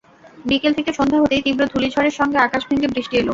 বিকেল থেকে সন্ধ্যা হতেই তীব্র ধূলি ঝড়ের সঙ্গে আকাশ ভেঙে বৃষ্টি এল।